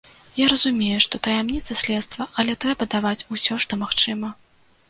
Я разумею, што таямніца следства, але трэба даваць усё, што магчыма.